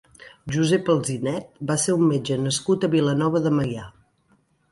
Josep Alsinet va ser un metge nascut a Vilanova de Meià.